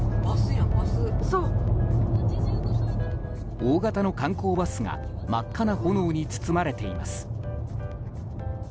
大型の観光バスが真っ赤な炎に包まれています。